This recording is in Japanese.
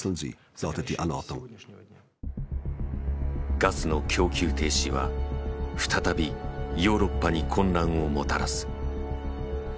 ガスの供給停止は再びヨーロッパに混乱をもたらす。